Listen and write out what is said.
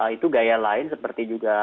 itu gaya lain seperti juga